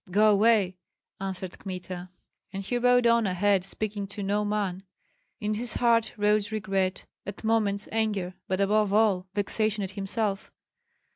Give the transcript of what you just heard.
"Go away!" answered Kmita. And he rode on ahead, speaking to no man. In his heart rose regret, at moments anger, but above all, vexation at himself.